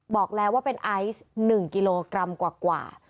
บอกแล้วว่าเป็นไอซ์๑กิโลกรัมกว่า